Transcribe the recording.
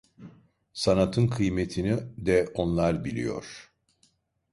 Sanatın kıymetini de onlar biliyor.